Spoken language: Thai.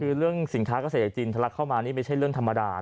คือเรื่องสินค้าเกษตรจีนทะลักเข้ามานี่ไม่ใช่เรื่องธรรมดา